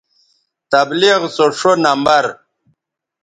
تبلیغ سو ݜو نمبر